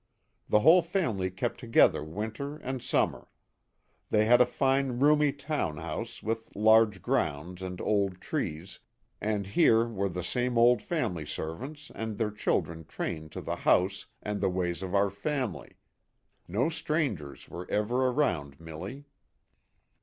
The whole family kept together winter and summer. They had a fine roomy town house with large grounds and old trees, and here were the same old family servants and their children trained to the house and " the ways of our family " no strangers were ever around Milly.